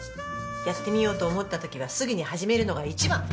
やってみようと思った時はすぐに始めるのが一番！